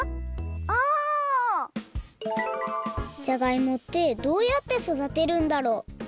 じゃがいもってどうやってそだてるんだろう？